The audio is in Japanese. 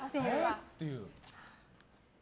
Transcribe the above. っていう。